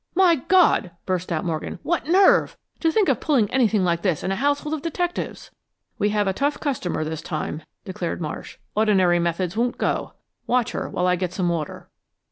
"My God!" burst out Morgan. "What nerve! To think of pulling anything like this in a house full of detectives." "We have a tough customer this time," declared Marsh. "Ordinary methods won't go. Watch her while I get some water."